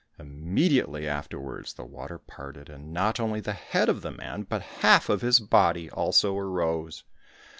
Immediately afterwards the water parted, and not only the head of the man, but half of his body also arose.